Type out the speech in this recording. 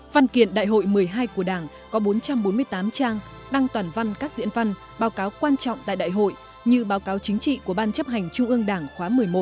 văn kiện đại hội một mươi hai của đảng có bốn trăm bốn mươi tám trang đăng toàn văn các diễn văn báo cáo quan trọng tại đại hội như báo cáo chính trị của ban chấp hành trung ương đảng khóa một mươi một